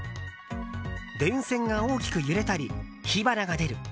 電線が大きく揺れたり火花が出る。